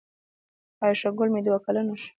عایشه ګل مې دوه کلنه شو